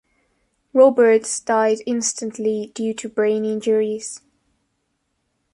Roberts died instantly due to brain injuries.